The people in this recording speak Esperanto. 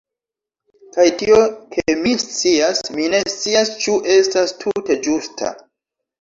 Kaj tio ke mi scias, mi ne scias ĉu estas tute ĝusta..